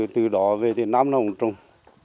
từ đó về tới năm là ông trùng